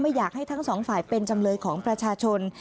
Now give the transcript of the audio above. อยากให้ทั้งสองฝ่ายเป็นจำเลยของประชาชน